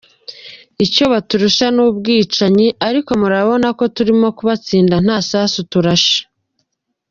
Icyo baturusha ni ubwicanyi ariko murabona ko turimo kubatsinda nta sasu turashe.